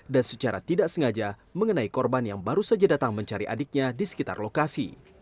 dan secara tidak sengaja mengenai korban yang baru saja datang mencari adiknya di sekitar lokasi